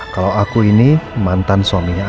kalau aku ini mantan suaminya